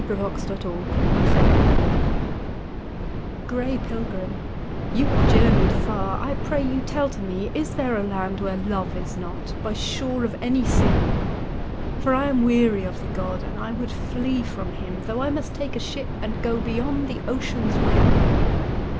Youth and the Pilgrim Gray pilgrim, you have journeyed far, I pray you tell to me Is there a land where Love is not, By shore of any sea? For I am weary of the god, And I would flee from him Tho' I must take a ship and go Beyond the ocean's rim.